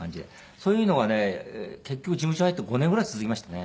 そういうのがね結局事務所入って５年ぐらい続きましたね。